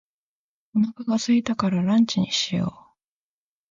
お腹が空いたからランチにしよう。